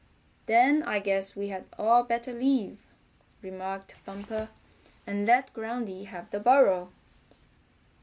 "Then I guess we'd all better leave," remarked Bumper, "and let Groundy have the burrow."